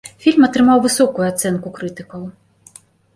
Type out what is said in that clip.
Фільм атрымаў высокую ацэнку крытыкаў.